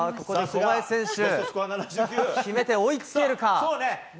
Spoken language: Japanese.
ここで小林選手決めて追いつけるか？